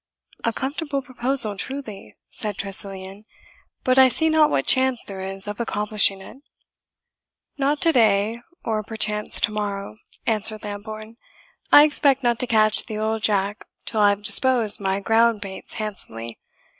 "A comfortable proposal truly," said Tressilian; "but I see not what chance there is of accomplishing it." "Not to day, or perchance to morrow," answered Lambourne; "I expect not to catch the old jack till. I have disposed my ground baits handsomely.